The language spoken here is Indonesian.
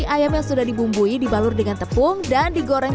ayam yang sudah dibumbui dibalur dengan tepung dan digoreng